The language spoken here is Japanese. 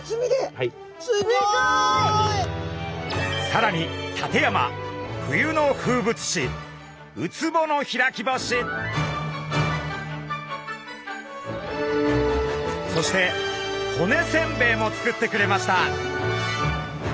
さらに館山冬の風物詩そして骨せんべいも作ってくれました。